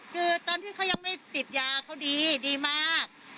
คือตอนที่เขายังไม่ติดยาเขาดีดีมาก